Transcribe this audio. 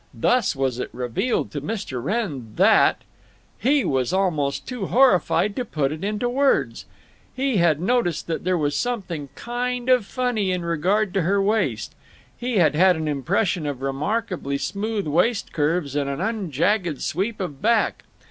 Thus was it revealed to Mr. Wrenn that— He was almost too horrified to put it into words…. He had noticed that there was something kind of funny in regard to her waist; he had had an impression of remarkably smooth waist curves and an unjagged sweep of back.